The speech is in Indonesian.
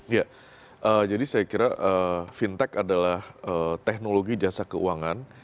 ya jadi saya kira fintech adalah teknologi jasa keuangan